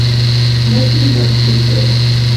مټ یې مضبوط دی.